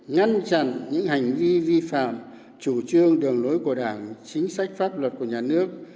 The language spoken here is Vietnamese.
ngăn chặn những hành vi vi phạm chủ trương đường lối của đảng chính sách pháp luật của nhà nước